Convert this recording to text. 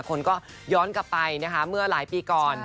คนก็ย้อนกลับไปนะคะเมื่อหลายปีก่อน